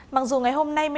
mặc dù ngày hôm nay